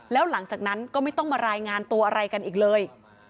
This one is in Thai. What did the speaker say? แล้วหลังจากนั้นก็ไม่ต้องมารายงานตัวอะไรกันอีกเลย